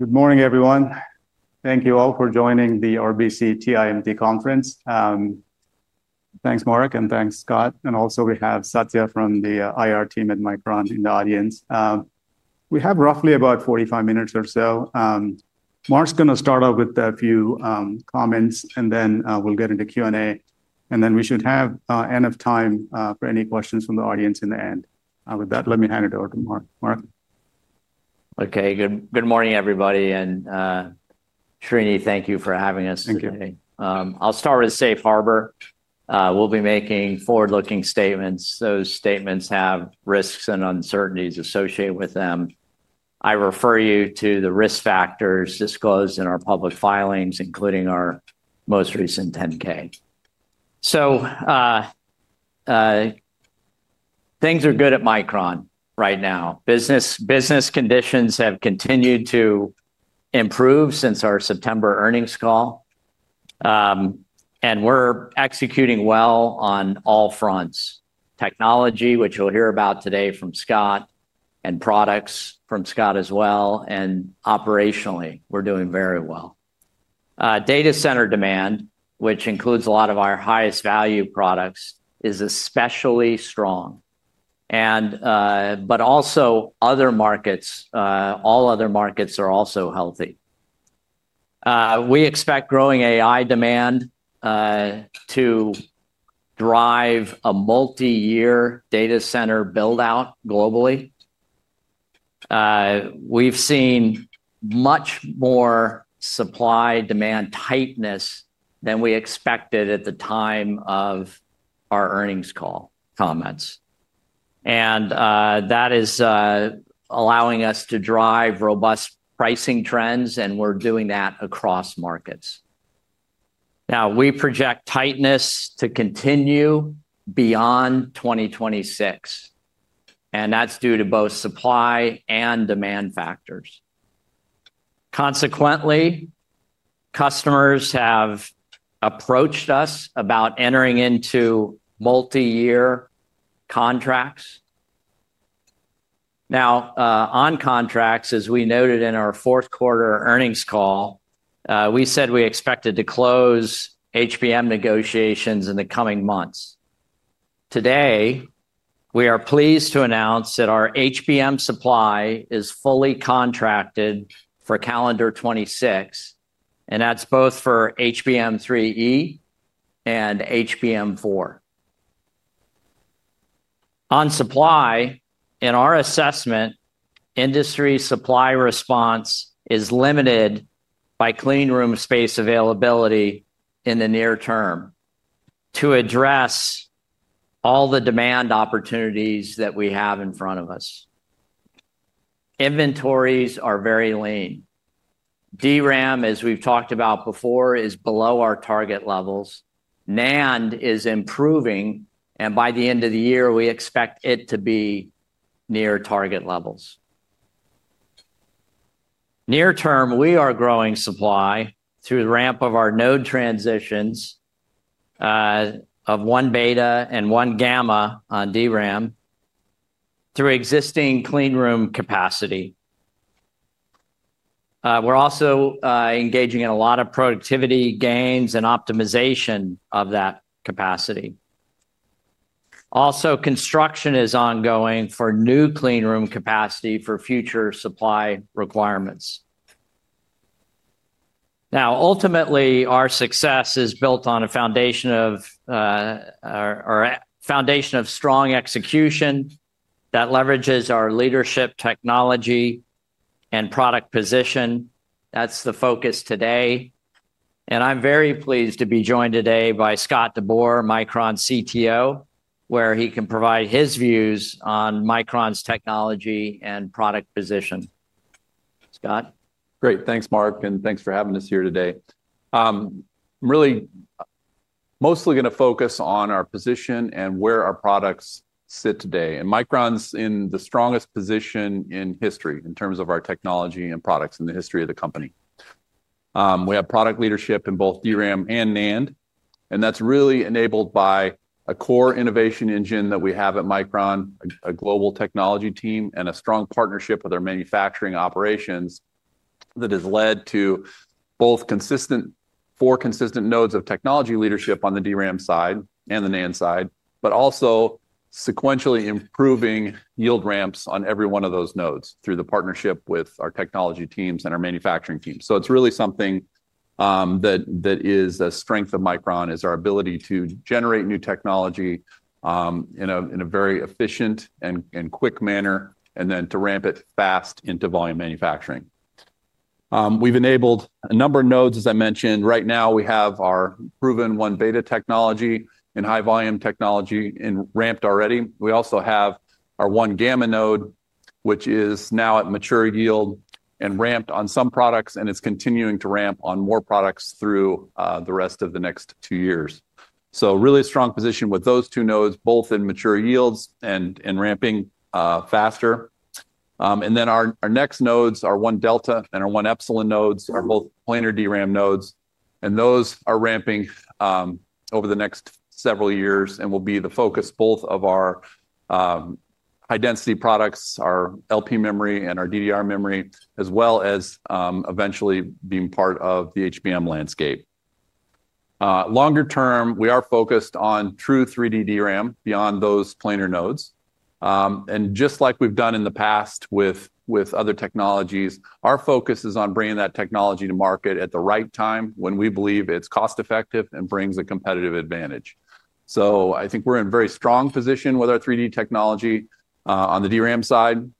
Good morning, everyone. Thank you all for joining the RBC TIMT Conference. Thanks, Mark, and thanks, Scott. Also, we have Satya from the IR team at Micron in the audience. We have roughly about 45 minutes or so. Mark's going to start off with a few comments, then we'll get into Q&A. We should have enough time for any questions from the audience in the end. With that, let me hand it over to Mark. Okay, good morning, everybody. Srini, thank you for having us today. Thank you. I'll start with Safe Harbor. We'll be making forward-looking statements. Those statements have risks and uncertainties associated with them. I refer you to the risk factors disclosed in our public filings, including our most recent 10-K. Things are good at Micron right now. Business conditions have continued to improve since our September earnings call. We're executing well on all fronts: technology, which you'll hear about today from Scott, and products from Scott as well. Operationally, we're doing very well. Data center demand, which includes a lot of our highest value products, is especially strong. All other markets are also healthy. We expect growing AI demand to drive a multi-year data center buildout globally. We've seen much more supply-demand tightness than we expected at the time of our earnings call comments. That is allowing us to drive robust pricing trends, and we're doing that across markets. Now, we project tightness to continue beyond 2026. That is due to both supply and demand factors. Consequently, customers have approached us about entering into multi-year contracts. Now, on contracts, as we noted in our fourth quarter earnings call, we said we expected to close HBM negotiations in the coming months. Today, we are pleased to announce that our HBM supply is fully contracted for calendar 2026. That is both for HBM3E and HBM4. On supply, in our assessment, industry supply response is limited by clean room space availability in the near term to address all the demand opportunities that we have in front of us. Inventories are very lean. DRAM, as we've talked about before, is below our target levels. NAND is improving. By the end of the year, we expect it to be near target levels. Near term, we are growing supply through the ramp of our node transitions of one beta and one gamma on DRAM through existing clean room capacity. We are also engaging in a lot of productivity gains and optimization of that capacity. Also, construction is ongoing for new clean room capacity for future supply requirements. Ultimately, our success is built on a foundation of strong execution that leverages our leadership, technology, and product position. That is the focus today. I am very pleased to be joined today by Scott DeBoer, Micron CTO, where he can provide his views on Micron's technology and product position. Scott? Great. Thanks, Mark. Thanks for having us here today. I'm really mostly going to focus on our position and where our products sit today. Micron's in the strongest position in history in terms of our technology and products in the history of the company. We have product leadership in both DRAM and NAND. That's really enabled by a core innovation engine that we have at Micron, a global technology team, and a strong partnership with our manufacturing operations that has led to both four consistent nodes of technology leadership on the DRAM side and the NAND side, but also sequentially improving yield ramps on every one of those nodes through the partnership with our technology teams and our manufacturing teams. It is really something that is a strength of Micron is our ability to generate new technology in a very efficient and quick manner, and then to ramp it fast into volume manufacturing. We have enabled a number of nodes, as I mentioned. Right now, we have our proven one beta technology and high volume technology ramped already. We also have our one gamma node, which is now at mature yield and ramped on some products, and it is continuing to ramp on more products through the rest of the next two years. Really strong position with those two nodes, both in mature yields and ramping faster. Our next nodes, our one delta and our one epsilon nodes, are both planar DRAM nodes. Those are ramping over the next several years and will be the focus both of our high-density products, our LP memory and our DDR memory, as well as eventually being part of the HBM landscape. Longer term, we are focused on true 3D DRAM beyond those planar nodes. Just like we've done in the past with other technologies, our focus is on bringing that technology to market at the right time when we believe it's cost-effective and brings a competitive advantage. I think we're in a very strong position with our 3D technology on the DRAM side.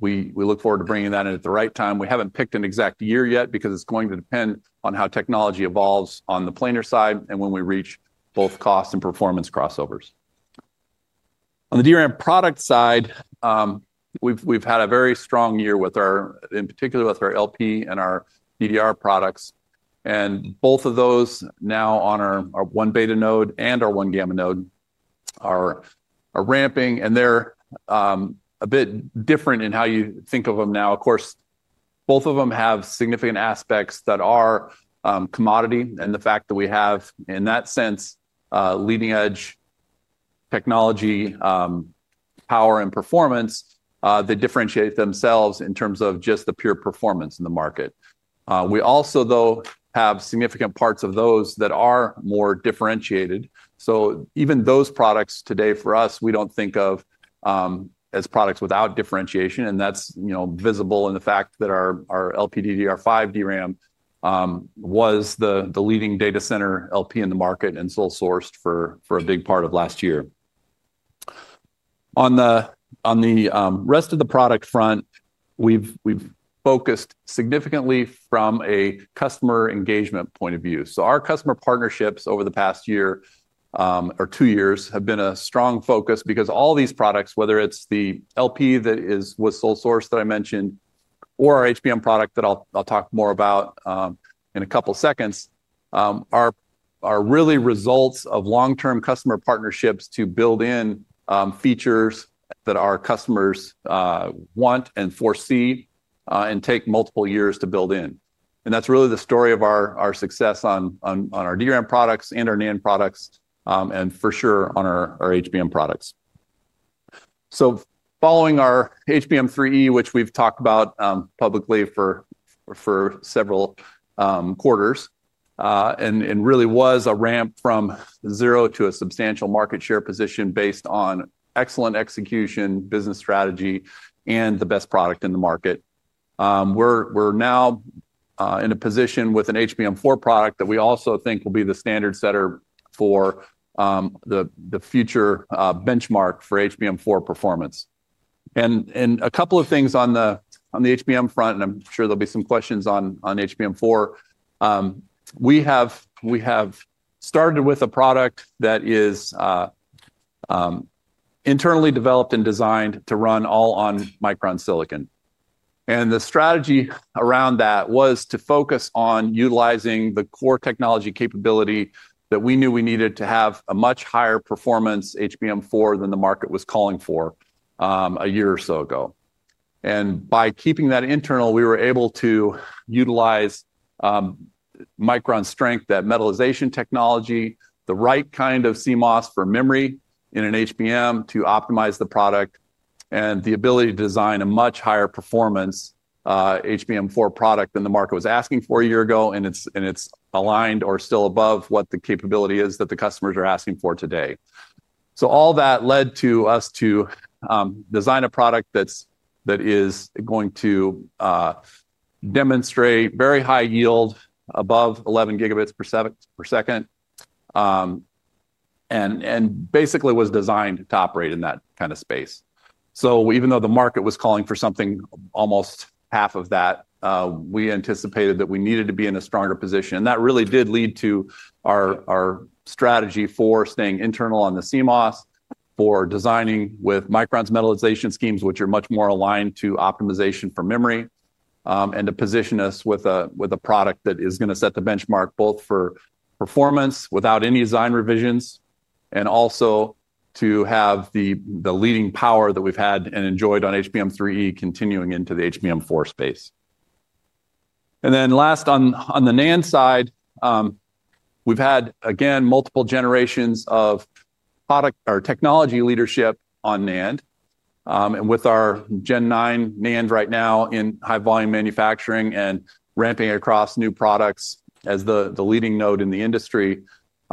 We look forward to bringing that in at the right time. We haven't picked an exact year yet because it's going to depend on how technology evolves on the planar side and when we reach both cost and performance crossovers. On the DRAM product side, we've had a very strong year with our, in particular, with our LP and our DDR products. Both of those now on our one beta node and our one gamma node are ramping. They're a bit different in how you think of them now. Of course, both of them have significant aspects that are commodity. The fact that we have, in that sense, leading-edge technology, power, and performance that differentiate themselves in terms of just the pure performance in the market. We also, though, have significant parts of those that are more differentiated. Even those products today for us, we don't think of as products without differentiation. That's visible in the fact that our LP DDR5 DRAM was the leading data center LP in the market and sole sourced for a big part of last year. On the rest of the product front, we've focused significantly from a customer engagement point of view. Our customer partnerships over the past year or two years have been a strong focus because all these products, whether it's the LP that was sole sourced that I mentioned or our HBM product that I'll talk more about in a couple of seconds, are really results of long-term customer partnerships to build in features that our customers want and foresee and take multiple years to build in. That's really the story of our success on our DRAM products and our NAND products, and for sure on our HBM products. Following our HBM3E, which we've talked about publicly for several quarters, and really was a ramp from zero to a substantial market share position based on excellent execution, business strategy, and the best product in the market. We're now in a position with an HBM4 product that we also think will be the standard setter for the future benchmark for HBM4 performance. A couple of things on the HBM front, and I'm sure there'll be some questions on HBM4. We have started with a product that is internally developed and designed to run all on Micron silicon. The strategy around that was to focus on utilizing the core technology capability that we knew we needed to have a much higher performance HBM4 than the market was calling for a year or so ago. By keeping that internal, we were able to utilize Micron's strength, that metalization technology, the right kind of CMOS for memory in an HBM to optimize the product, and the ability to design a much higher performance HBM4 product than the market was asking for a year ago. It is aligned or still above what the capability is that the customers are asking for today. All that led us to design a product that is going to demonstrate very high yield above 11 Gb per second and basically was designed to operate in that kind of space. Even though the market was calling for something almost half of that, we anticipated that we needed to be in a stronger position. That really did lead to our strategy for staying internal on the CMOS, for designing with Micron's metalization schemes, which are much more aligned to optimization for memory, and to position us with a product that is going to set the benchmark both for performance without any design revisions, and also to have the leading power that we've had and enjoyed on HBM3E continuing into the HBM4 space. Last, on the NAND side, we've had, again, multiple generations of product or technology leadership on NAND. With our Gen 9 NAND right now in high volume manufacturing and ramping across new products as the leading node in the industry,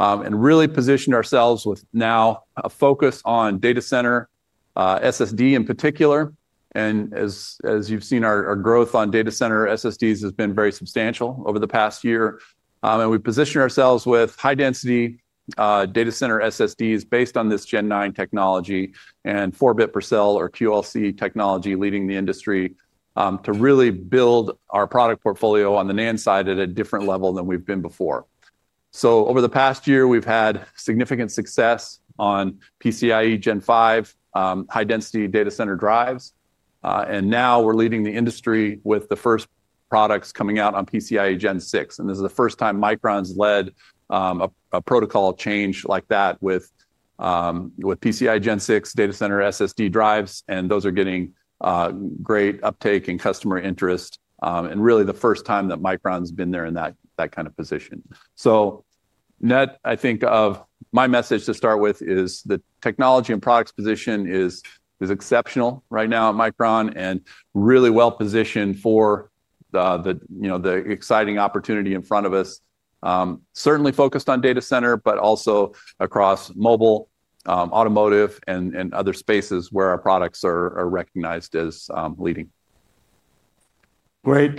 we have really positioned ourselves with now a focus on data center, SSD in particular. As you've seen, our growth on data center SSDs has been very substantial over the past year. We positioned ourselves with high-density data center SSDs based on this Gen 9 technology and 4-bit per cell or QLC technology leading the industry to really build our product portfolio on the NAND side at a different level than we've been before. Over the past year, we've had significant success on PCIe Gen 5 high-density data center drives. Now we're leading the industry with the first products coming out on PCIe Gen 6. This is the first time Micron's led a protocol change like that with PCIe Gen 6 data center SSD drives. Those are getting great uptake and customer interest. This is really the first time that Micron's been there in that kind of position. I think my message to start with is the technology and products position is exceptional right now at Micron and really well positioned for the exciting opportunity in front of us. Certainly focused on data center, but also across mobile, automotive, and other spaces where our products are recognized as leading. Great.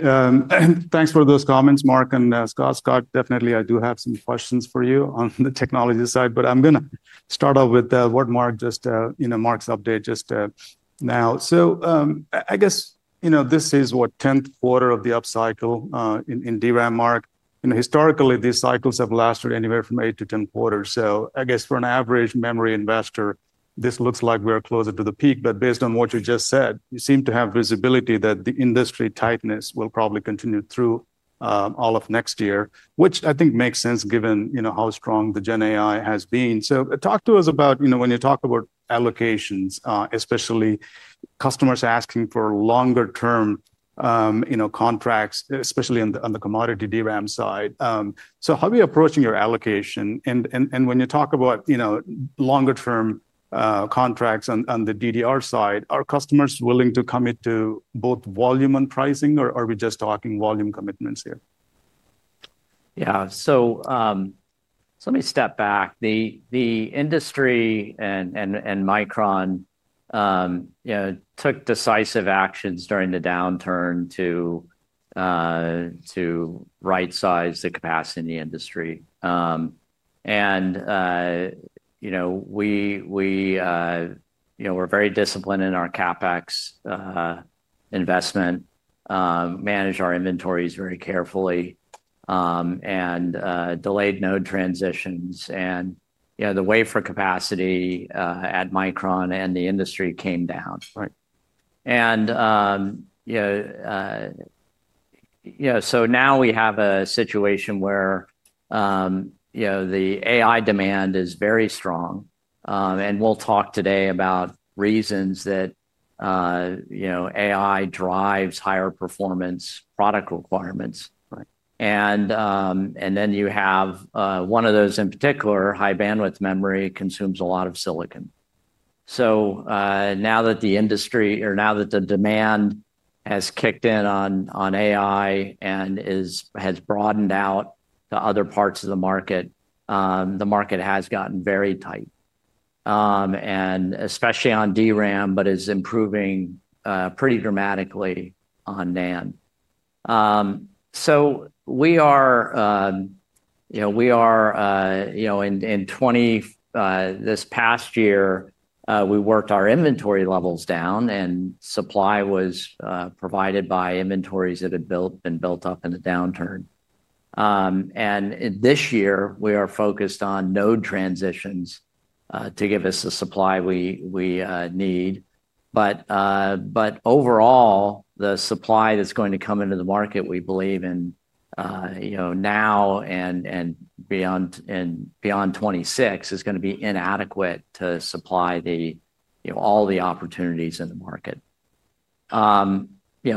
Thanks for those comments, Mark and Scott. Scott, definitely, I do have some questions for you on the technology side. But I'm going to start off with what Mark just, you know, Mark's update just now. I guess, you know, this is what, 10th quarter of the upcycle in DRAM, Mark. Historically, these cycles have lasted anywhere from 8-10 quarters. I guess for an average memory investor, this looks like we're closer to the peak. But based on what you just said, you seem to have visibility that the industry tightness will probably continue through all of next year, which I think makes sense given how strong the GenAI has been. Talk to us about, you know, when you talk about allocations, especially customers asking for longer-term contracts, especially on the commodity DRAM side. How are we approaching your allocation? When you talk about longer-term contracts on the DDR side, are customers willing to commit to both volume and pricing, or are we just talking volume commitments here? Yeah. Let me step back. The industry and Micron took decisive actions during the downturn to right-size the capacity in the industry. We were very disciplined in our CapEx investment, managed our inventories very carefully, and delayed node transitions. The wafer capacity at Micron and the industry came down. Now we have a situation where the AI demand is very strong. We'll talk today about reasons that AI drives higher performance product requirements. You have one of those in particular, high bandwidth memory, which consumes a lot of silicon. Now that the demand has kicked in on AI and has broadened out to other parts of the market, the market has gotten very tight, especially on DRAM, but it is improving pretty dramatically on NAND. We are in 2020, this past year, we worked our inventory levels down, and supply was provided by inventories that had been built up in the downturn. This year, we are focused on node transitions to give us the supply we need. Overall, the supply that is going to come into the market, we believe in now and beyond 2026, is going to be inadequate to supply all the opportunities in the market. We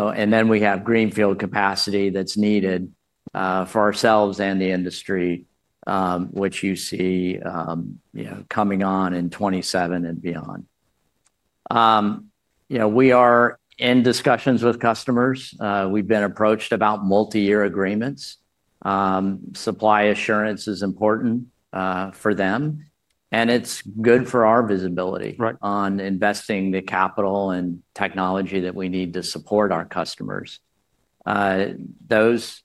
have greenfield capacity that is needed for ourselves and the industry, which you see coming on in 2027 and beyond. We are in discussions with customers. We have been approached about multi-year agreements. Supply assurance is important for them. It is good for our visibility on investing the capital and technology that we need to support our customers. Those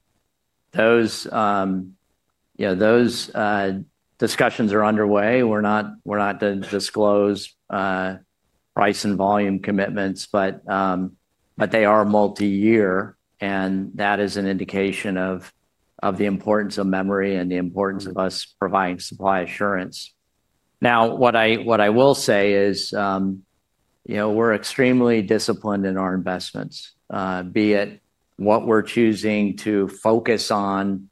discussions are underway. We are not to disclose price and volume commitments, but they are multi-year. That is an indication of the importance of memory and the importance of us providing supply assurance. What I will say is we're extremely disciplined in our investments, be it what we're choosing to focus on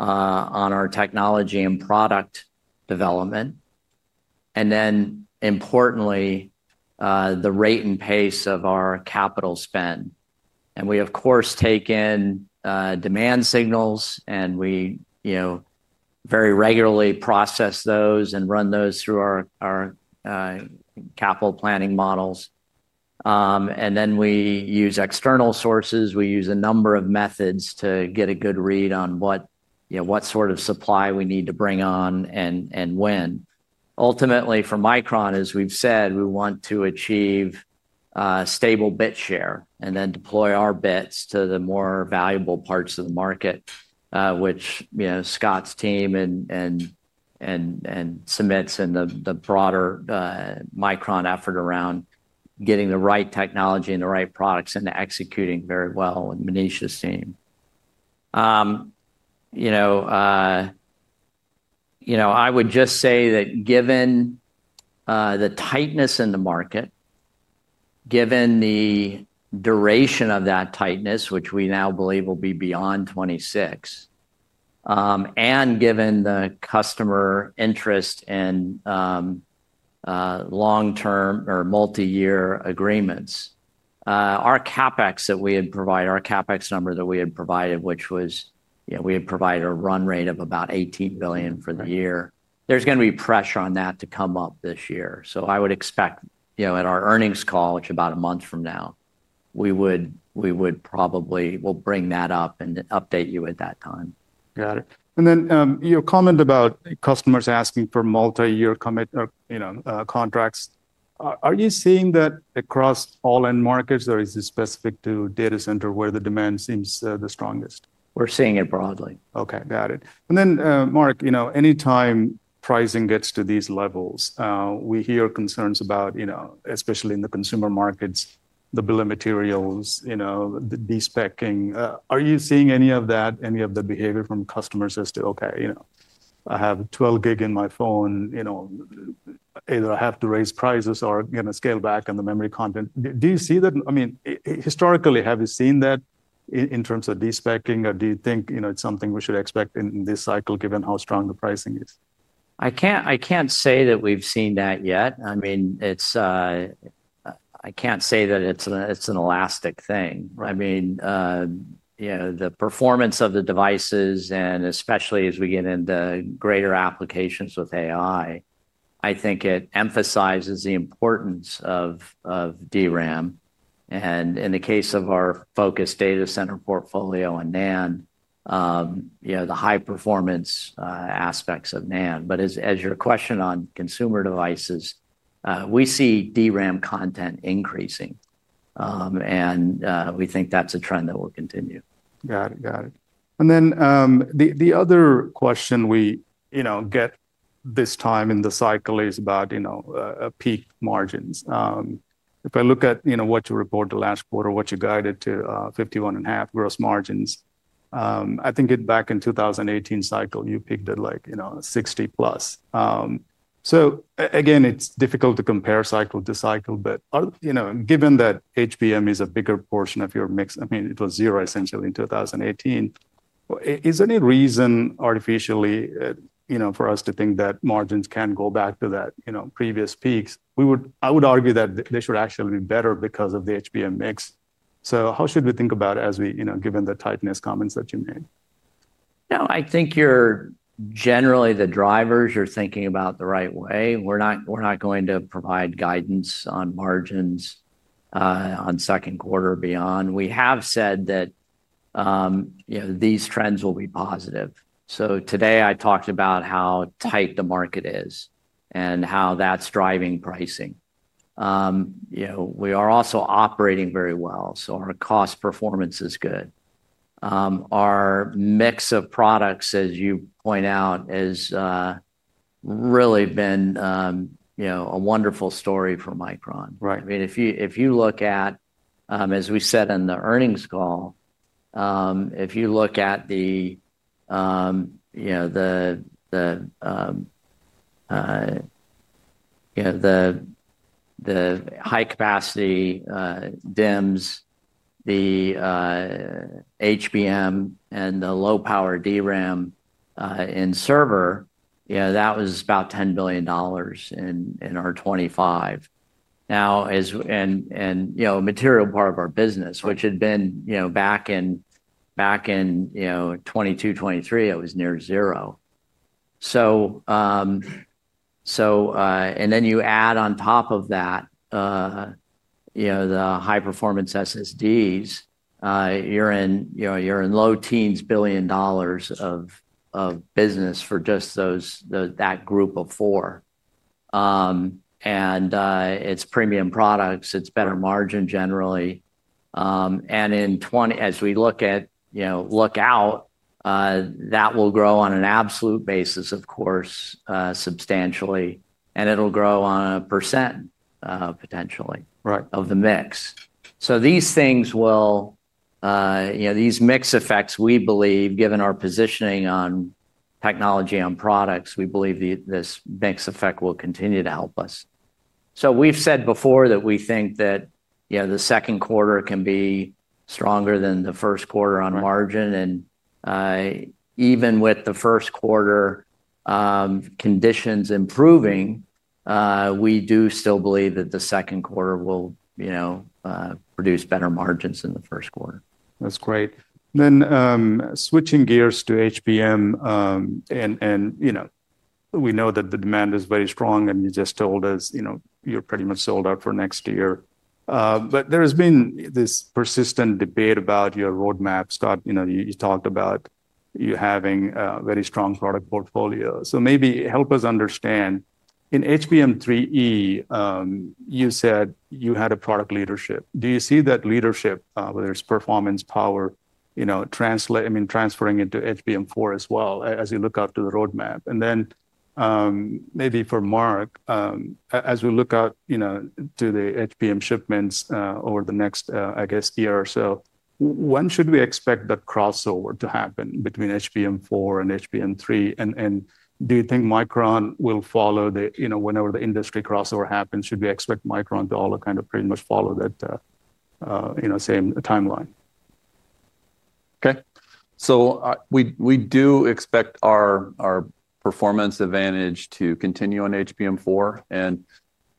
in our technology and product development, and then importantly, the rate and pace of our capital spend. We, of course, take in demand signals, and we very regularly process those and run those through our capital planning models. We use external sources. We use a number of methods to get a good read on what sort of supply we need to bring on and when. Ultimately, for Micron, as we've said, we want to achieve stable bit share and then deploy our bits to the more valuable parts of the market, which Scott's team and Cemit's and the broader Micron effort around getting the right technology and the right products and executing very well with Manish's team. I would just say that given the tightness in the market, given the duration of that tightness, which we now believe will be beyond 2026, and given the customer interest in long-term or multi-year agreements, our CapEx that we had provided, our CapEx number that we had provided, which was we had provided a run rate of about $18 billion for the year, there's going to be pressure on that to come up this year. I would expect at our earnings call, which is about a month from now, we would probably bring that up and update you at that time. Got it. Your comment about customers asking for multi-year contracts, are you seeing that across all end markets, or is it specific to data center where the demand seems the strongest? We're seeing it broadly. Okay. Got it. Mark, anytime pricing gets to these levels, we hear concerns about, especially in the consumer markets, the bill of materials, the despacking. Are you seeing any of that, any of the behavior from customers as to, "Okay, I have 12 GB in my phone. Either I have to raise prices or scale back on the memory content"? Do you see that? I mean, historically, have you seen that in terms of despacking, or do you think it's something we should expect in this cycle given how strong the pricing is? I can't say that we've seen that yet. I mean, I can't say that it's an elastic thing. I mean, the performance of the devices, and especially as we get into greater applications with AI, I think it emphasizes the importance of DRAM. In the case of our focused data center portfolio on NAND, the high performance aspects of NAND. As to your question on consumer devices, we see DRAM content increasing. We think that's a trend that will continue. Got it. Got it. The other question we get this time in the cycle is about peak margins. If I look at what you report the last quarter, what you guided to, 51.5% gross margins, I think back in the 2018 cycle, you peaked at 60% plus. It is difficult to compare cycle to cycle. Given that HBM is a bigger portion of your mix, I mean, it was zero essentially in 2018. Is there any reason artificially for us to think that margins can go back to those previous peaks? I would argue that they should actually be better because of the HBM mix. How should we think about it, given the tightness comments that you made? No, I think generally the drivers, you're thinking about the right way. We're not going to provide guidance on margins on second quarter or beyond. We have said that these trends will be positive. Today, I talked about how tight the market is and how that's driving pricing. We are also operating very well. Our cost performance is good. Our mix of products, as you point out, has really been a wonderful story for Micron. I mean, if you look at, as we said in the earnings call, if you look at the high capacity DIMMs, the HBM, and the low power DRAM in server, that was about $10 billion in our 2025. A material part of our business, which had been back in 2022, 2023, it was near zero. You add on top of that the high performance SSDs, you're in low teens billion dollars of business for just that group of four. It's premium products. It's better margin generally. As we look out, that will grow on an absolute basis, of course, substantially. It'll grow on a percent potentially of the mix. These things will, these mix effects, we believe, given our positioning on technology on products, we believe this mix effect will continue to help us. We've said before that we think that the second quarter can be stronger than the first quarter on margin. Even with the first quarter conditions improving, we do still believe that the second quarter will produce better margins than the first quarter. That's great. Switching gears to HBM, we know that the demand is very strong. You just told us you're pretty much sold out for next year. There has been this persistent debate about your roadmap. Scott, you talked about you having a very strong product portfolio. Maybe help us understand. In HBM3E, you said you had a product leadership. Do you see that leadership, whether it's performance, power, I mean, transferring into HBM4 as well as you look out to the roadmap? Maybe for Mark, as we look out to the HBM shipments over the next, I guess, year or so, when should we expect the crossover to happen between HBM4 and HBM3? Do you think Micron will follow whenever the industry crossover happens? Should we expect Micron to all kind of pretty much follow that same timeline? Okay. We do expect our performance advantage to continue on HBM4.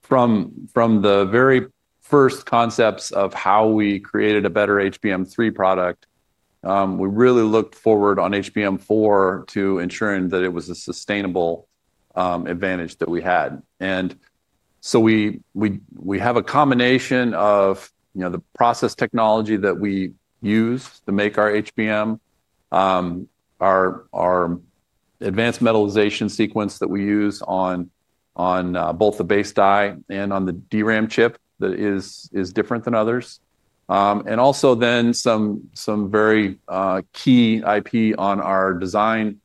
From the very first concepts of how we created a better HBM3 product, we really looked forward on HBM4 to ensuring that it was a sustainable advantage that we had. We have a combination of the process technology that we use to make our HBM, our advanced metallization sequence that we use on both the base die and on the DRAM chip that is different than others. Also, some very key IP on our design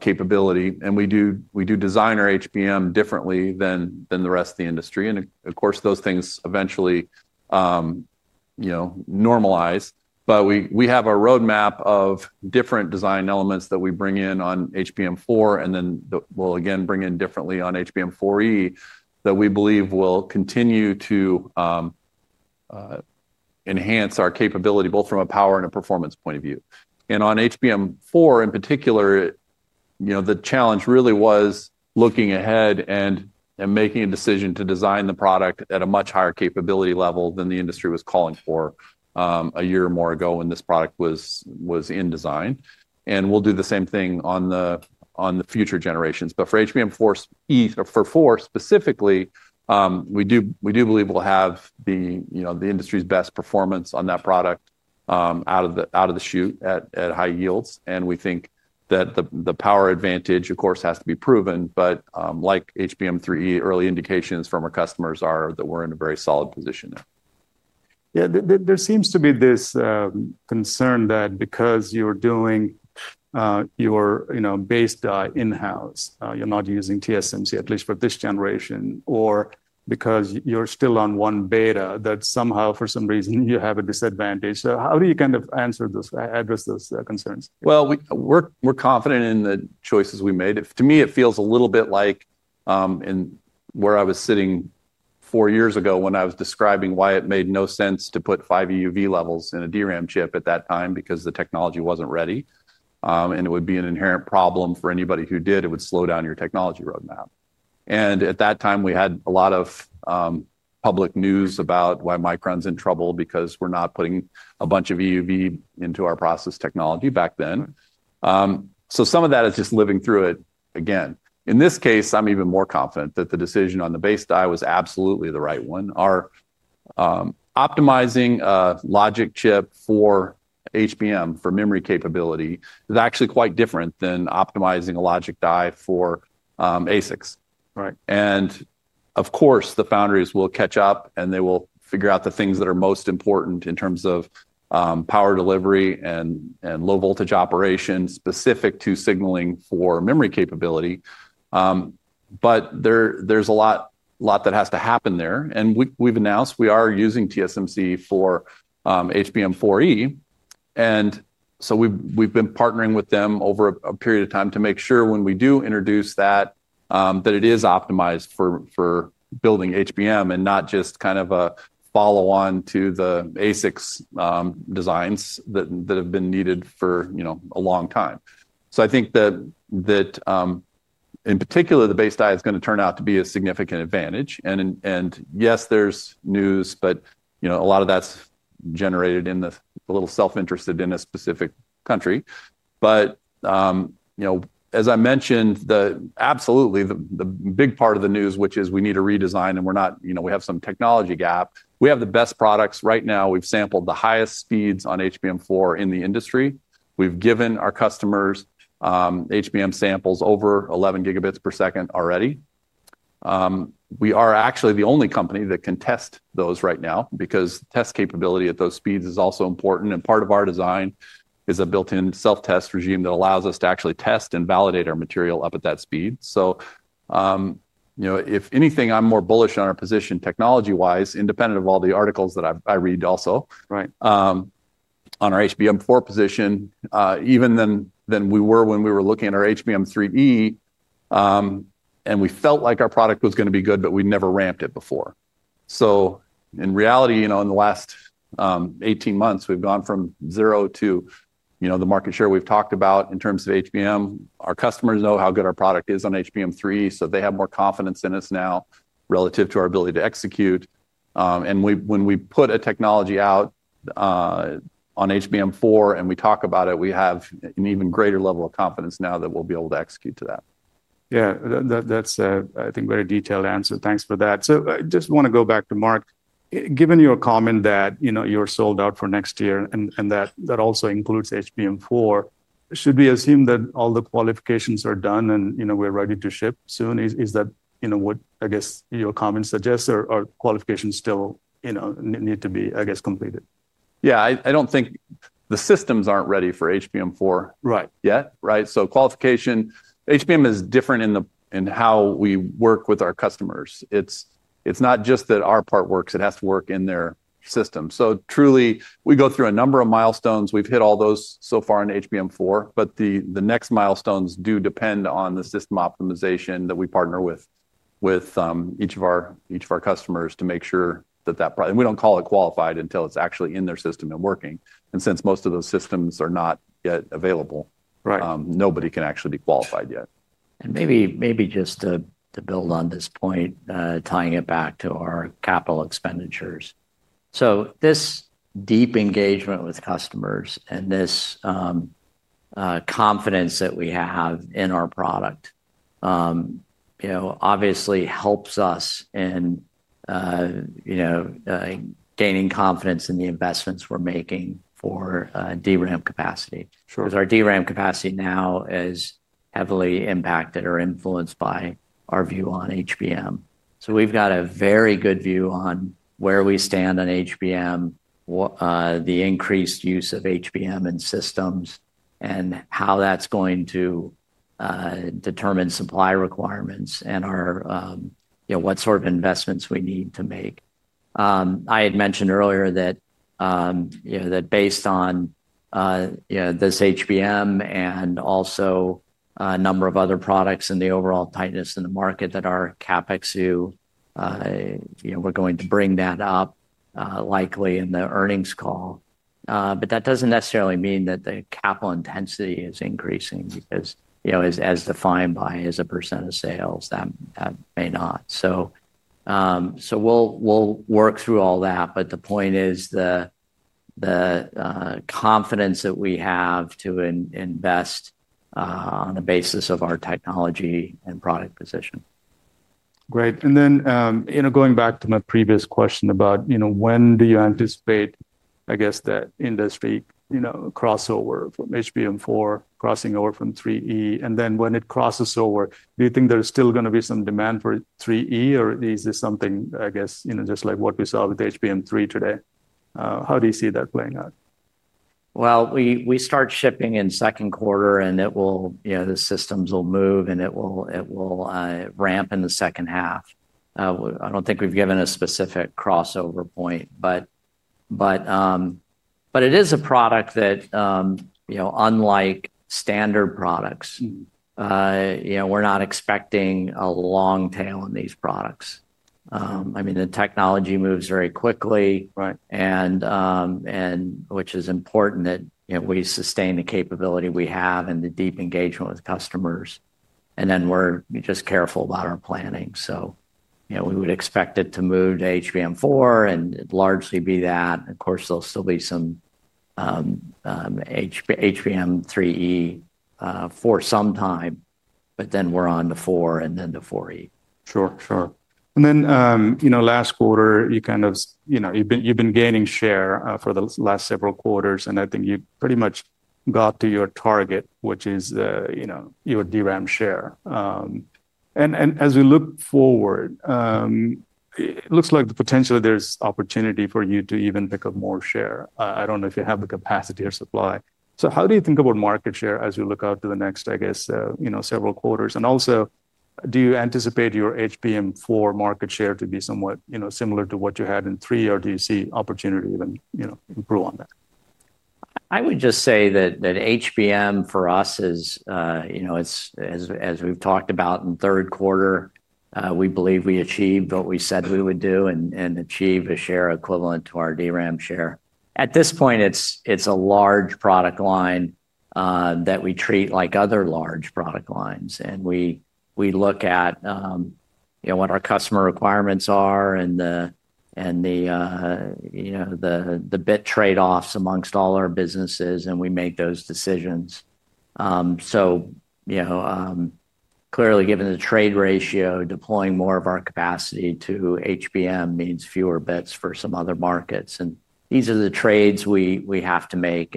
capability. We do design our HBM differently than the rest of the industry. Of course, those things eventually normalize. We have a roadmap of different design elements that we bring in on HBM4 and then we'll again bring in differently on HBM4E that we believe will continue to enhance our capability both from a power and a performance point of view. On HBM4 in particular, the challenge really was looking ahead and making a decision to design the product at a much higher capability level than the industry was calling for a year or more ago when this product was in design. We'll do the same thing on the future generations. For HBM4 specifically, we do believe we'll have the industry's best performance on that product out of the chute at high yields. We think that the power advantage, of course, has to be proven. Like HBM3E, early indications from our customers are that we're in a very solid position now. Yeah. There seems to be this concern that because you're doing your base die in-house, you're not using TSMC, at least for this generation, or because you're still on one beta, that somehow for some reason you have a disadvantage. How do you kind of address those concerns? We're confident in the choices we made. To me, it feels a little bit like where I was sitting four years ago when I was describing why it made no sense to put five EUV levels in a DRAM chip at that time because the technology wasn't ready. It would be an inherent problem for anybody who did. It would slow down your technology roadmap. At that time, we had a lot of public news about why Micron's in trouble because we're not putting a bunch of EUV into our process technology back then. Some of that is just living through it again. In this case, I'm even more confident that the decision on the base die was absolutely the right one. Optimizing a logic chip for HBM for memory capability is actually quite different than optimizing a logic die for ASICs. Of course, the foundries will catch up and they will figure out the things that are most important in terms of power delivery and low voltage operation specific to signaling for memory capability. There is a lot that has to happen there. We have announced we are using TSMC for HBM4E. We have been partnering with them over a period of time to make sure when we do introduce that, it is optimized for building HBM and not just kind of a follow-on to the ASICs designs that have been needed for a long time. I think that in particular, the base die is going to turn out to be a significant advantage. Yes, there is news, but a lot of that is generated in the little self-interested in a specific country. As I mentioned, absolutely, the big part of the news, which is we need to redesign and we have some technology gap. We have the best products right now. We've sampled the highest speeds on HBM4 in the industry. We've given our customers HBM samples over 11 Gb per second already. We are actually the only company that can test those right now because test capability at those speeds is also important. Part of our design is a built-in self-test regime that allows us to actually test and validate our material up at that speed. If anything, I'm more bullish on our position technology-wise, independent of all the articles that I read also on our HBM4 position, even than we were when we were looking at our HBM3E, and we felt like our product was going to be good, but we never ramped it before. In reality, in the last 18 months, we've gone from zero to the market share we've talked about in terms of HBM. Our customers know how good our product is on HBM3E. They have more confidence in us now relative to our ability to execute. When we put a technology out on HBM4 and we talk about it, we have an even greater level of confidence now that we'll be able to execute to that. Yeah. That is, I think, a very detailed answer. Thanks for that. I just want to go back to Mark. Given your comment that you are sold out for next year and that also includes HBM4, should we assume that all the qualifications are done and we are ready to ship soon? Is that what, I guess, your comment suggests? Or qualifications still need to be, I guess, completed? Yeah. I don't think the systems aren't ready for HBM4 yet. Right? Qualification, HBM is different in how we work with our customers. It's not just that our part works. It has to work in their system. Truly, we go through a number of milestones. We've hit all those so far in HBM4. The next milestones do depend on the system optimization that we partner with each of our customers to make sure that that product—and we don't call it qualified until it's actually in their system and working. Since most of those systems are not yet available, nobody can actually be qualified yet. Maybe just to build on this point, tying it back to our capital expenditures. This deep engagement with customers and this confidence that we have in our product obviously helps us in gaining confidence in the investments we're making for DRAM capacity. Our DRAM capacity now is heavily impacted or influenced by our view on HBM. We have a very good view on where we stand on HBM, the increased use of HBM in systems, and how that's going to determine supply requirements and what sort of investments we need to make. I had mentioned earlier that based on this HBM and also a number of other products and the overall tightness in the market that our CapEx, we're going to bring that up likely in the earnings call. That does not necessarily mean that the capital intensity is increasing because as defined by as a percent of sales, that may not. We will work through all that. The point is the confidence that we have to invest on the basis of our technology and product position. Great. Going back to my previous question about when do you anticipate, I guess, that industry crossover from HBM4 crossing over from 3E? When it crosses over, do you think there's still going to be some demand for 3E? Or is this something, I guess, just like what we saw with HBM3 today? How do you see that playing out? We start shipping in second quarter, and the systems will move, and it will ramp in the second half. I don't think we've given a specific crossover point. It is a product that, unlike standard products, we're not expecting a long tail in these products. I mean, the technology moves very quickly, which is important that we sustain the capability we have and the deep engagement with customers. We are just careful about our planning. We would expect it to move to HBM4 and largely be that. Of course, there'll still be some HBM3E for some time. We are on the 4 and then the 4E. Sure. And then last quarter, you kind of you've been gaining share for the last several quarters. I think you pretty much got to your target, which is your DRAM share. As we look forward, it looks like potentially there's opportunity for you to even pick up more share. I don't know if you have the capacity or supply. How do you think about market share as you look out to the next, I guess, several quarters? Also, do you anticipate your HBM4 market share to be somewhat similar to what you had in 3? Or do you see opportunity to even improve on that? I would just say that HBM for us, as we've talked about in third quarter, we believe we achieved what we said we would do and achieve a share equivalent to our DRAM share. At this point, it's a large product line that we treat like other large product lines. We look at what our customer requirements are and the bit trade-offs amongst all our businesses, and we make those decisions. Clearly, given the trade ratio, deploying more of our capacity to HBM means fewer bits for some other markets. These are the trades we have to make.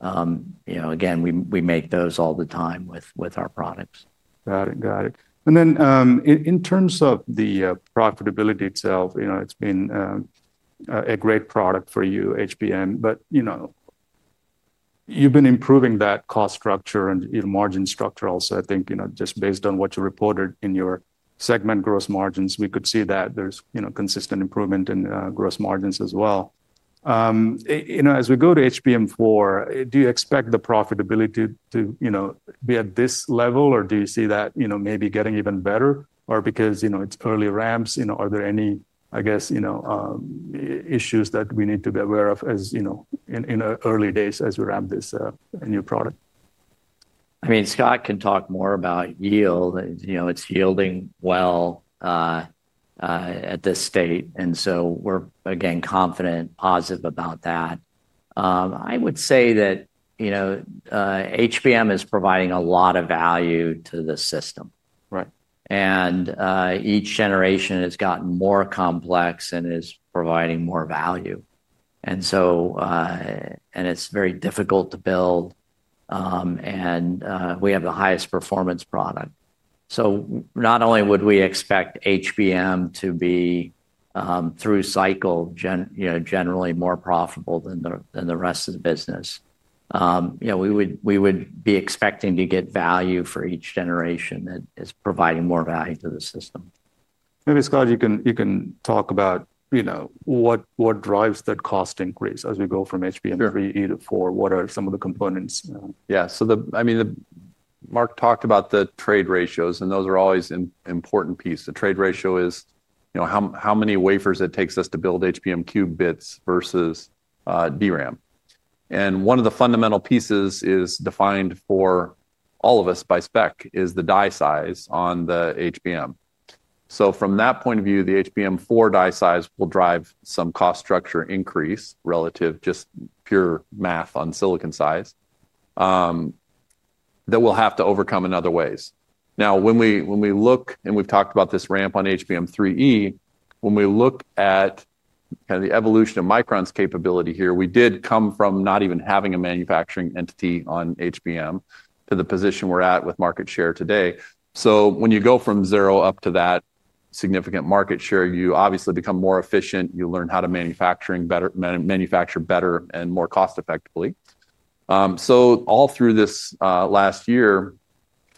Again, we make those all the time with our products. Got it. Got it. In terms of the profitability itself, it's been a great product for you, HBM. You've been improving that cost structure and margin structure also. I think just based on what you reported in your segment gross margins, we could see that there's consistent improvement in gross margins as well. As we go to HBM4, do you expect the profitability to be at this level? Do you see that maybe getting even better? Because it's early ramps, are there any, I guess, issues that we need to be aware of in the early days as we ramp this new product? I mean, Scott can talk more about yield. It's yielding well at this state. We're, again, confident, positive about that. I would say that HBM is providing a lot of value to the system. Each generation has gotten more complex and is providing more value. It is very difficult to build. We have the highest performance product. Not only would we expect HBM to be, through cycle, generally more profitable than the rest of the business, we would be expecting to get value for each generation that is providing more value to the system. Maybe Scott, you can talk about what drives that cost increase as we go from HBM3E to 4. What are some of the components? Yeah. I mean, Mark talked about the trade ratios, and those are always an important piece. The trade ratio is how many wafers it takes us to build HBM cube bits versus DRAM. One of the fundamental pieces is defined for all of us by spec is the die size on the HBM. From that point of view, the HBM4 die size will drive some cost structure increase relative just pure math on silicon size that we'll have to overcome in other ways. Now, when we look and we've talked about this ramp on HBM3E, when we look at the evolution of Micron's capability here, we did come from not even having a manufacturing entity on HBM to the position we're at with market share today. When you go from zero up to that significant market share, you obviously become more efficient. You learn how to manufacture better and more cost-effectively. All through this last year,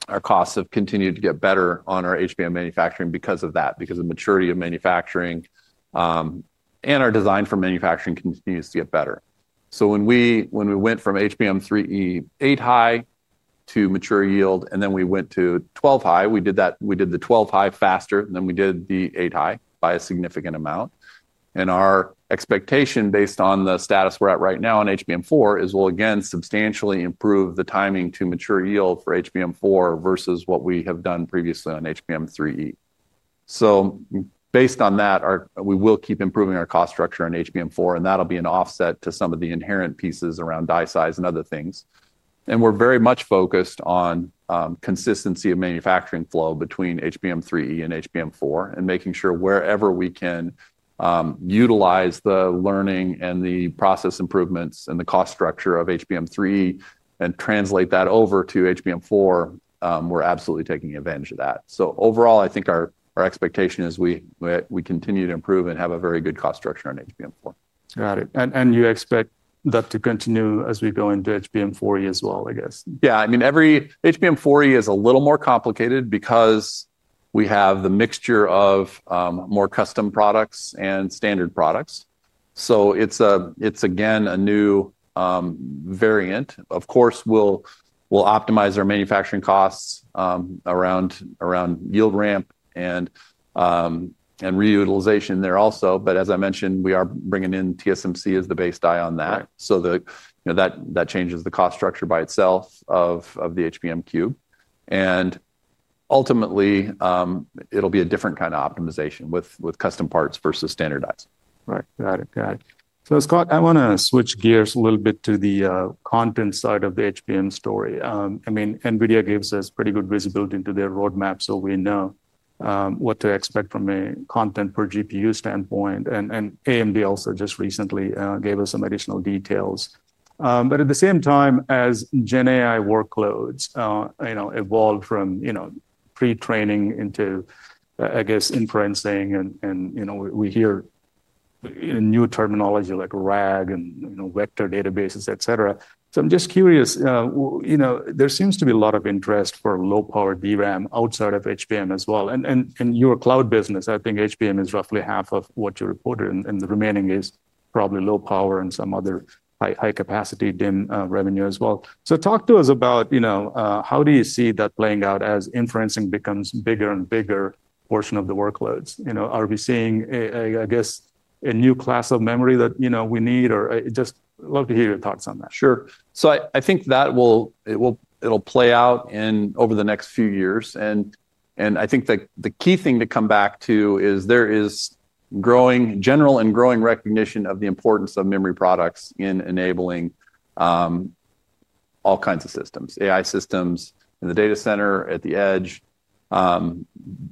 our costs have continued to get better on our HBM manufacturing because of that, because of maturity of manufacturing and our design for manufacturing continues to get better. When we went from HBM3E 8 high to mature yield, and then we went to 12 high, we did the 12 high faster, and then we did the 8 high by a significant amount. Our expectation based on the status we're at right now on HBM4 is we'll again substantially improve the timing to mature yield for HBM4 versus what we have done previously on HBM3E. Based on that, we will keep improving our cost structure on HBM4, and that'll be an offset to some of the inherent pieces around die size and other things. We are very much focused on consistency of manufacturing flow between HBM3E and HBM4 and making sure wherever we can utilize the learning and the process improvements and the cost structure of HBM3E and translate that over to HBM4, we are absolutely taking advantage of that. Overall, I think our expectation is we continue to improve and have a very good cost structure on HBM4. Got it. You expect that to continue as we go into HBM4E as well, I guess? Yeah. I mean, HBM4E is a little more complicated because we have the mixture of more custom products and standard products. It is, again, a new variant. Of course, we will optimize our manufacturing costs around yield ramp and reutilization there also. As I mentioned, we are bringing in TSMC as the base die on that. That changes the cost structure by itself of the HBM cube. Ultimately, it will be a different kind of optimization with custom parts versus standardized. Right. Got it. Got it. Scott, I want to switch gears a little bit to the content side of the HBM story. I mean, NVIDIA gives us pretty good visibility into their roadmap, so we know what to expect from a content per GPU standpoint. AMD also just recently gave us some additional details. At the same time as GenAI workloads evolve from pre-training into, I guess, inferencing, we hear new terminology like RAG and vector databases, et cetera. I am just curious. There seems to be a lot of interest for low-power DRAM outside of HBM as well. In your cloud business, I think HBM is roughly half of what you reported, and the remaining is probably low power and some other high-capacity DIMM revenue as well. Talk to us about how do you see that playing out as inferencing becomes a bigger and bigger portion of the workloads? Are we seeing, I guess, a new class of memory that we need? Or I'd just love to hear your thoughts on that. Sure. I think that it'll play out over the next few years. I think the key thing to come back to is there is general and growing recognition of the importance of memory products in enabling all kinds of systems, AI systems in the data center, at the edge.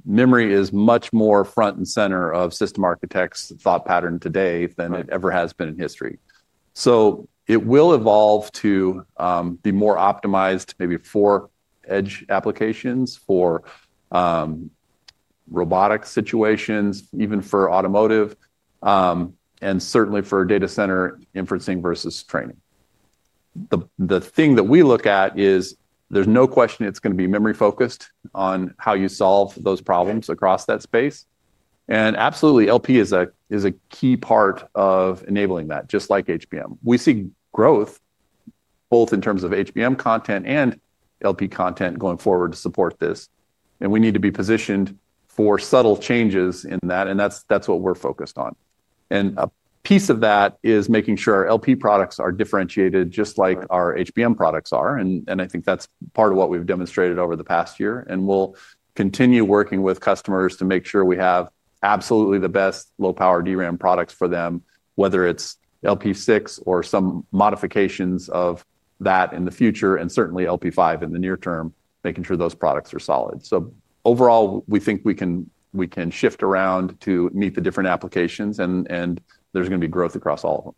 Memory is much more front and center of system architects' thought pattern today than it ever has been in history. It will evolve to be more optimized maybe for edge applications, for robotics situations, even for automotive, and certainly for data center inferencing versus training. The thing that we look at is there's no question it's going to be memory-focused on how you solve those problems across that space. Absolutely, LP is a key part of enabling that, just like HBM. We see growth both in terms of HBM content and LP content going forward to support this. We need to be positioned for subtle changes in that, and that is what we are focused on. A piece of that is making sure our LP products are differentiated just like our HBM products are. I think that is part of what we have demonstrated over the past year. We will continue working with customers to make sure we have absolutely the best low-power DRAM products for them, whether it is LP6 or some modifications of that in the future, and certainly LP5 in the near term, making sure those products are solid. Overall, we think we can shift around to meet the different applications, and there is going to be growth across all of them.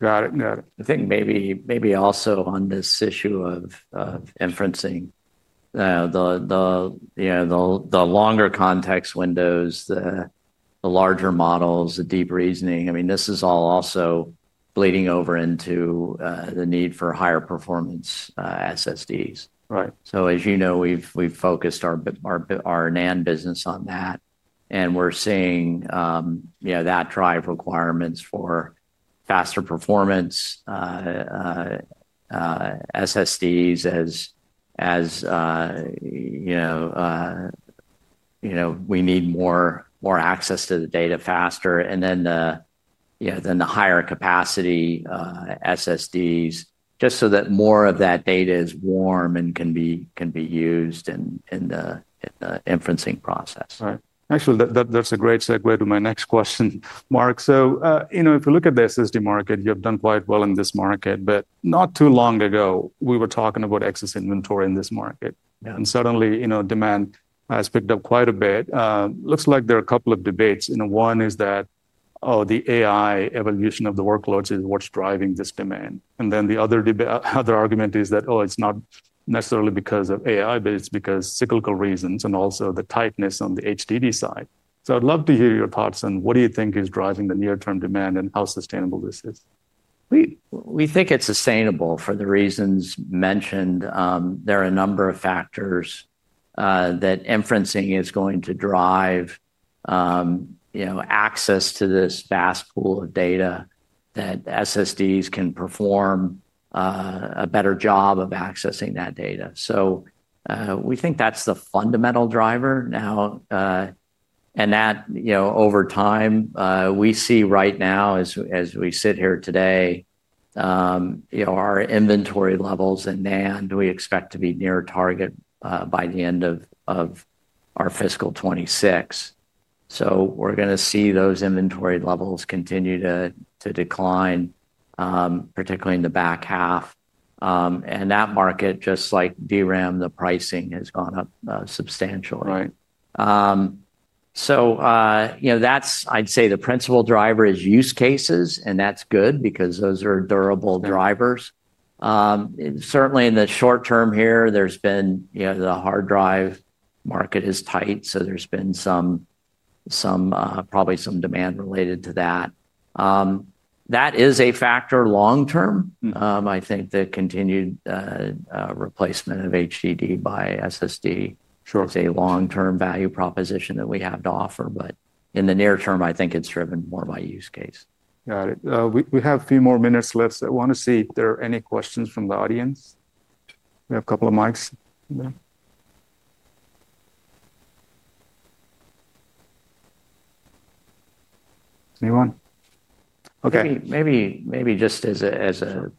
Got it. Got it. I think maybe also on this issue of inferencing, the longer context windows, the larger models, the deep reasoning, I mean, this is all also bleeding over into the need for higher performance SSDs. As you know, we've focused our NAND business on that. We're seeing that drive requirements for faster performance SSDs as we need more access to the data faster, and then the higher capacity SSDs, just so that more of that data is warm and can be used in the inferencing process. Right. Actually, that's a great segue to my next question, Mark. If you look at the SSD market, you have done quite well in this market. Not too long ago, we were talking about excess inventory in this market. Suddenly, demand has picked up quite a bit. There are a couple of debates. One is that, oh, the AI evolution of the workloads is what's driving this demand. The other argument is that, oh, it's not necessarily because of AI, but it's because of cyclical reasons and also the tightness on the HDD side. I'd love to hear your thoughts on what you think is driving the near-term demand and how sustainable this is. We think it's sustainable for the reasons mentioned. There are a number of factors that inferencing is going to drive access to this vast pool of data that SSDs can perform a better job of accessing that data. We think that's the fundamental driver. Over time, we see right now, as we sit here today, our inventory levels in NAND, we expect to be near target by the end of our fiscal 2026. We're going to see those inventory levels continue to decline, particularly in the back half. That market, just like DRAM, the pricing has gone up substantially. I'd say the principal driver is use cases, and that's good because those are durable drivers. Certainly, in the short term here, the hard drive market is tight, so there's been probably some demand related to that. That is a factor long term. I think the continued replacement of HDD by SSD is a long-term value proposition that we have to offer. In the near term, I think it's driven more by use case. Got it. We have a few more minutes left. I want to see if there are any questions from the audience. We have a couple of mics. Anyone? Okay. Maybe just a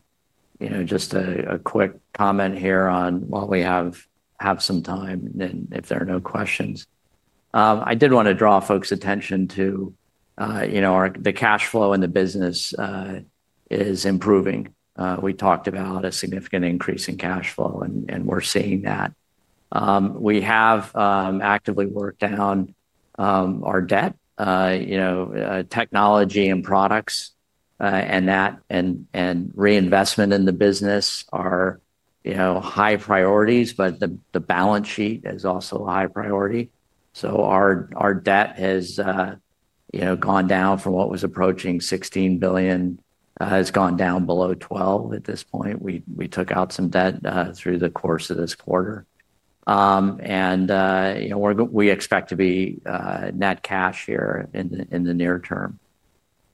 quick comment here while we have some time, and then if there are no questions. I did want to draw folks' attention to the cash flow in the business is improving. We talked about a significant increase in cash flow, and we're seeing that. We have actively worked down our debt. Technology and products and reinvestment in the business are high priorities, but the balance sheet is also a high priority. Our debt has gone down from what was approaching $16 billion; it's gone down below $12 billion at this point. We took out some debt through the course of this quarter. We expect to be net cash here in the near term.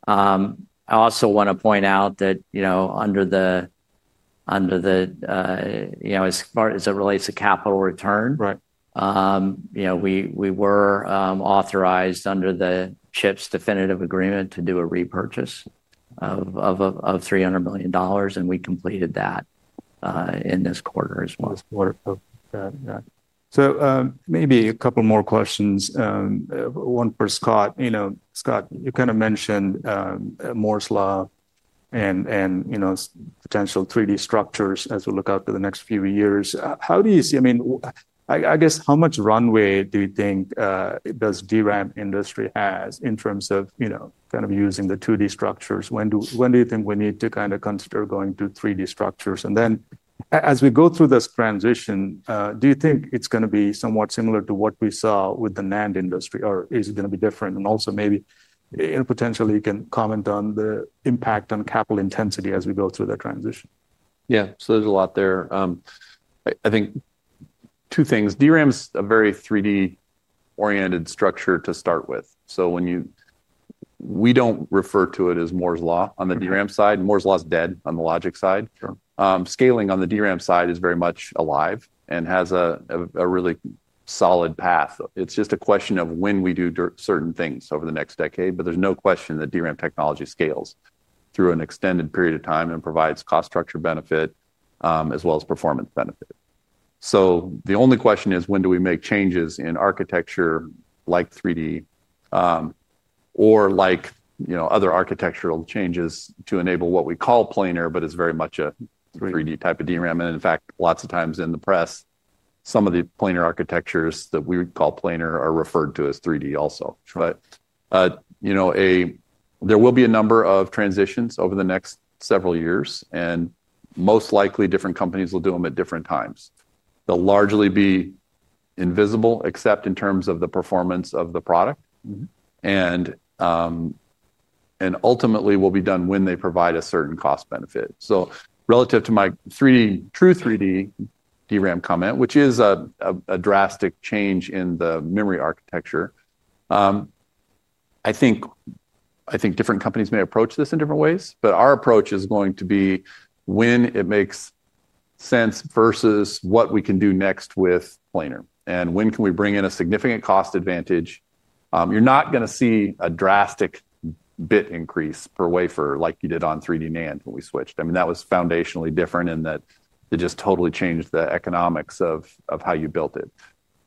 I also want to point out that as far as it relates to capital return, we were authorized under the CHIPS definitive agreement to do a repurchase of $300 million, and we completed that in this quarter as well. This quarter. Got it. Got it. Maybe a couple more questions. One for Scott. Scott, you kind of mentioned Moore's Law and potential 3D structures as we look out to the next few years. How do you see—I mean, I guess how much runway do you think does the DRAM industry have in terms of kind of using the 2D structures? When do you think we need to kind of consider going to 3D structures? As we go through this transition, do you think it's going to be somewhat similar to what we saw with the NAND industry, or is it going to be different? Also maybe potentially you can comment on the impact on capital intensity as we go through that transition. Yeah. There is a lot there. I think two things. DRAM is a very 3D-oriented structure to start with. We do not refer to it as Moore's Law on the DRAM side. Moore's Law is dead on the logic side. Scaling on the DRAM side is very much alive and has a really solid path. It is just a question of when we do certain things over the next decade, but there is no question that DRAM technology scales through an extended period of time and provides cost structure benefit as well as performance benefit. The only question is, when do we make changes in architecture like 3D or like other architectural changes to enable what we call planar, but it is very much a 3D type of DRAM? In fact, lots of times in the press, some of the planar architectures that we would call planar are referred to as 3D also. There will be a number of transitions over the next several years, and most likely different companies will do them at different times. They'll largely be invisible, except in terms of the performance of the product. Ultimately, it will be done when they provide a certain cost benefit. Relative to my true 3D DRAM comment, which is a drastic change in the memory architecture, I think different companies may approach this in different ways, but our approach is going to be when it makes sense versus what we can do next with planar. When can we bring in a significant cost advantage? You're not going to see a drastic bit increase per wafer like you did on 3D NAND when we switched. I mean, that was foundationally different in that it just totally changed the economics of how you built it.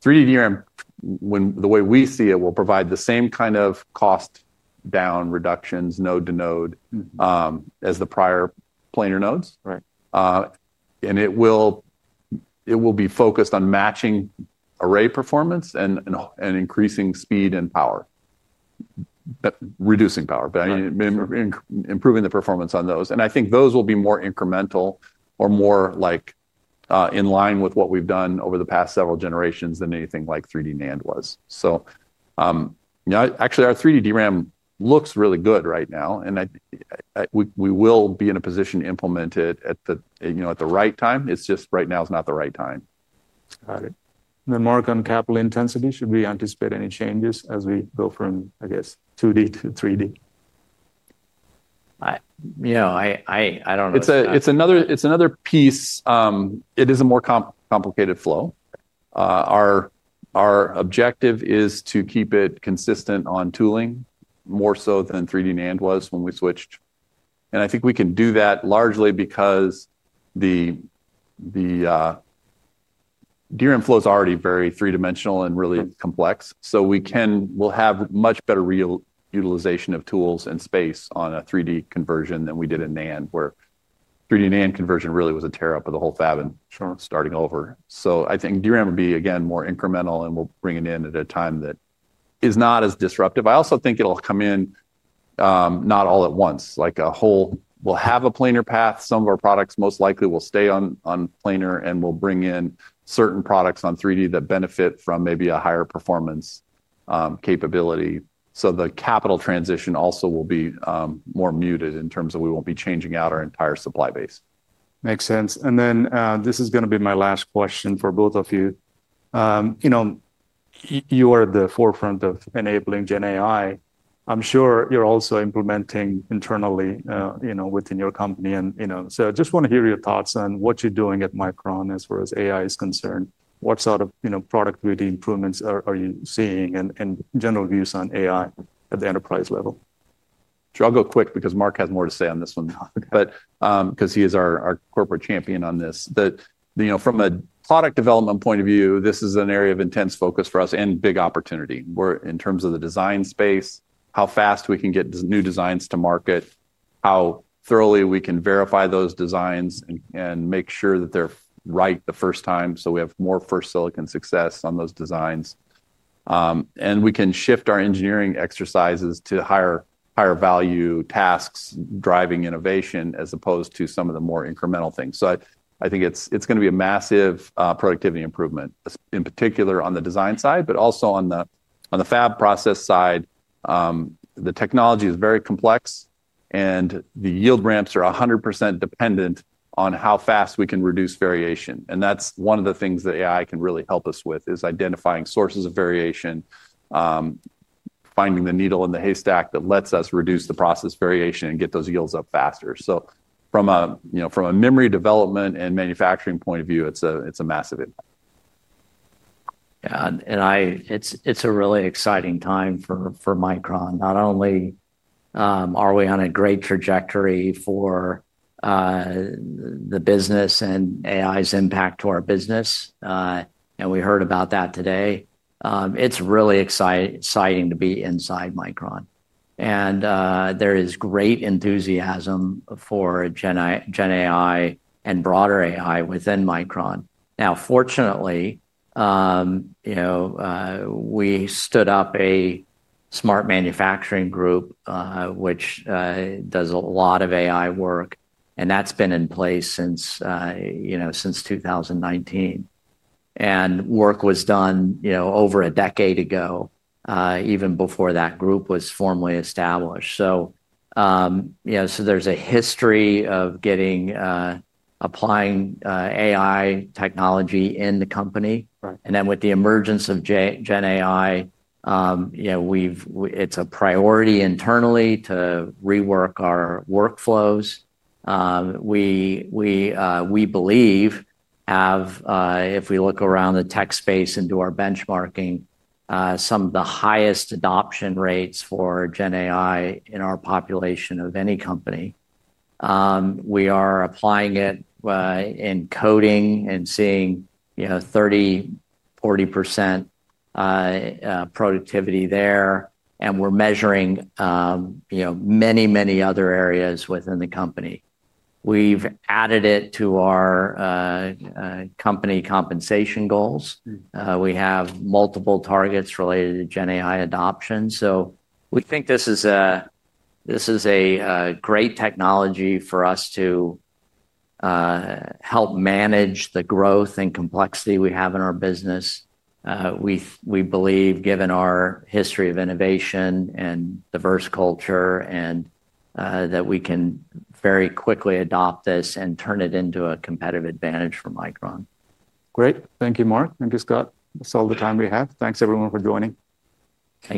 3D DRAM, the way we see it, will provide the same kind of cost-down reductions, node-to-node, as the prior planar nodes. It will be focused on matching array performance and increasing speed and power, reducing power, but improving the performance on those. I think those will be more incremental or more in line with what we've done over the past several generations than anything like 3D NAND was. Actually, our 3D DRAM looks really good right now, and we will be in a position to implement it at the right time. It's just right now is not the right time. Got it. Mark, on capital intensity, should we anticipate any changes as we go from, I guess, 2D to 3D? I don't know. It's another piece. It is a more complicated flow. Our objective is to keep it consistent on tooling more so than 3D NAND was when we switched. I think we can do that largely because the DRAM flow is already very three-dimensional and really complex. We will have much better utilization of tools and space on a 3D conversion than we did in NAND, where 3D NAND conversion really was a tear-up of the whole fab and starting over. I think DRAM would be, again, more incremental, and we will bring it in at a time that is not as disruptive. I also think it will come in not all at once. We will have a planar path. Some of our products most likely will stay on planar, and we will bring in certain products on 3D that benefit from maybe a higher performance capability. The capital transition also will be more muted in terms of we won't be changing out our entire supply base. Makes sense. This is going to be my last question for both of you. You are at the forefront of enabling GenAI. I'm sure you're also implementing internally within your company. I just want to hear your thoughts on what you're doing at Micron as far as AI is concerned. What sort of productivity improvements are you seeing and general views on AI at the enterprise level? Should I go quick because Mark has more to say on this one now, because he is our corporate champion on this? From a product development point of view, this is an area of intense focus for us and big opportunity in terms of the design space, how fast we can get new designs to market, how thoroughly we can verify those designs and make sure that they're right the first time so we have more first silicon success on those designs. We can shift our engineering exercises to higher value tasks driving innovation as opposed to some of the more incremental things. I think it's going to be a massive productivity improvement, in particular on the design side, but also on the fab process side. The technology is very complex, and the yield ramps are 100% dependent on how fast we can reduce variation. That is one of the things that AI can really help us with, identifying sources of variation, finding the needle in the haystack that lets us reduce the process variation and get those yields up faster. From a memory development and manufacturing point of view, it is a massive impact. Yeah. It is a really exciting time for Micron. Not only are we on a great trajectory for the business and AI's impact to our business, and we heard about that today, it is really exciting to be inside Micron. There is great enthusiasm for GenAI and broader AI within Micron. Now, fortunately, we stood up a smart manufacturing group which does a lot of AI work, and that has been in place since 2019. Work was done over a decade ago, even before that group was formally established. There is a history of applying AI technology in the company. With the emergence of GenAI, it is a priority internally to rework our workflows. We believe, if we look around the tech space and do our benchmarking, some of the highest adoption rates for GenAI in our population of any company. We are applying it in coding and seeing 30-40% productivity there. We are measuring many, many other areas within the company. We have added it to our company compensation goals. We have multiple targets related to GenAI adoption. We think this is a great technology for us to help manage the growth and complexity we have in our business. We believe, given our history of innovation and diverse culture, that we can very quickly adopt this and turn it into a competitive advantage for Micron. Great. Thank you, Mark. Thank you, Scott. That's all the time we have. Thanks, everyone, for joining.